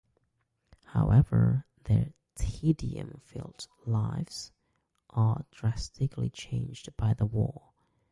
However, their tedium-filled lives are drastically changed by the war.